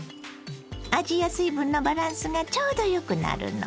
味や水分のバランスがちょうどよくなるの。